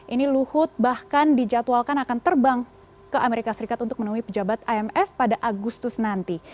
ini luhut bahkan dijadwalkan akan terbang ke amerika serikat untuk menemui pejabat imf pada agustus nanti